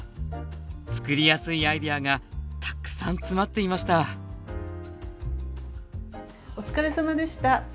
作りやすいアイデアがたくさん詰まっていましたお疲れさまでした。